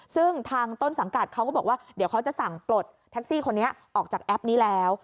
ซึ่งทางต้นสังกัดเขาก็บอกว่าเดี๋ยวเขาจะสั่งปลดแท็กซี่คนนี้ออกจากแอปนี้แล้ว